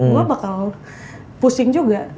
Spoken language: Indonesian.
gue bakal pusing juga